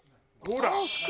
ほら！